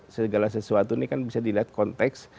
segala sesuatu ini kan bisa dilihat konteks